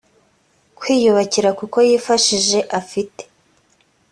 kwiyubakira kuko yifashije afite